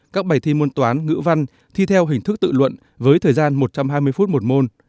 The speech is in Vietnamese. các bài thi môn toán ngữ văn thi theo hình thức tự luận với thời gian một trăm hai mươi phút một môn